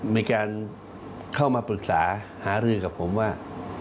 มีการเข้ามาปรึกษาหารือกับผมว่า